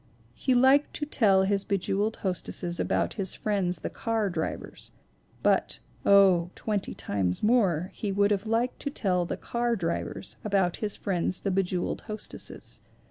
He liked to tell his be jeweled hostesses about his friends the car drivers ; but, oh, twenty times more, he would have liked to tell the car drivers about his friends the be jeweled hostesses.